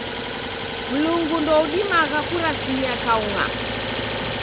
Mlungu ndoudimagha kurasimia kaung'a.